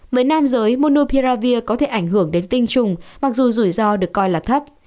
với nam giới monopiravir có thể ảnh hưởng đến tinh trùng mặc dù rủi ro được coi là thấp